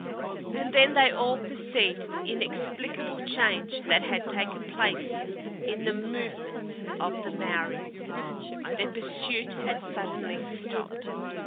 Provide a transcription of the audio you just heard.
And then they all perceived the inexplicable change that had taken place in the movements of the Maories. Their pursuit had suddenly stopped.